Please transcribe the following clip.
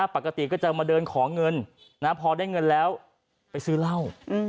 ปกติก็จะมาเดินขอเงินพอได้เงินแล้วไปซื้อเหล้า